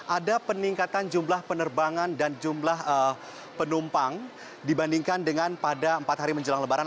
ada peningkatan jumlah penerbangan dan jumlah penumpang dibandingkan dengan pada empat hari menjelang lebaran